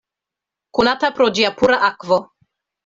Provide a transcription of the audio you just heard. Konata pro ĝia pura akvo.